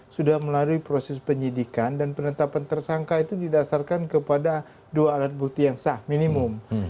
sudah melalui proses penyidikan dan penetapan tersangka itu didasarkan kepada dua alat bukti yang sah minimum